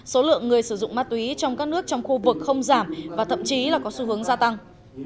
số lượng người sử dụng ma túy trong các nước trong khu vực không giảm và thậm chí là có xu hướng gia tăng